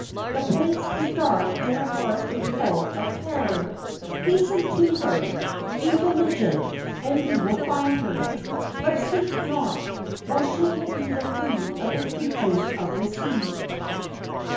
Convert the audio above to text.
The place is dark and her heart is full of terror. Hasten to her. Be vigilant, and you will find her; but sleep not, or she will be the food of the creatures of the sea."